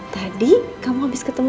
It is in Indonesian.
tadi kamu abis ketemu